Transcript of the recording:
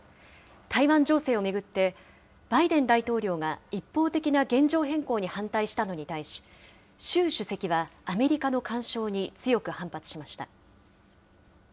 台湾情勢を巡って、バイデン大統領が一方的な現状変更に反対したのに対し、習主席は、アメリカの干渉に強く反発しました。